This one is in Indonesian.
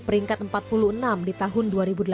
peringkat empat puluh enam di tahun dua ribu delapan belas